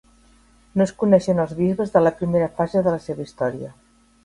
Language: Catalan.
No es coneixen els bisbes de la primera fase de la seva història.